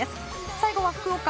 最後は福岡。